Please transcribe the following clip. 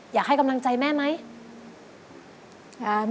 อยากให้กำลังใจแม่ไหม